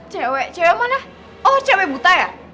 cewek cewek mana oh cewek buta ya